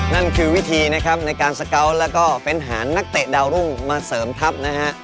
นั่นคือวิธีนะครับในการสเกาะแล้วก็เฟ้นหานักเตะดาวรุ่งมาเสริมทัพนะฮะ